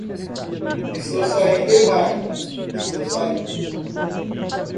Estou saindo em maio, estou saindo.